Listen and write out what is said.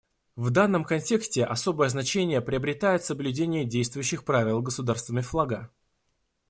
В данном контексте особое значение приобретает соблюдение действующих правил государствами флага.